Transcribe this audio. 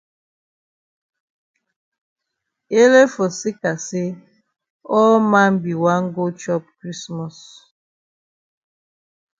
Ele for seka say all man be wan go chop krismos.